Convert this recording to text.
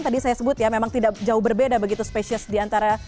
tadi saya sebut ya memang tidak jauh berbeda begitu spesies di antara